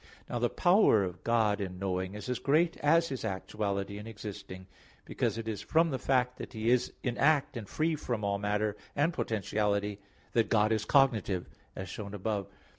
Now the power of God in knowing is as great as His actuality in existing; because it is from the fact that He is in act and free from all matter and potentiality, that God is cognitive, as shown above (AA. 1, 2).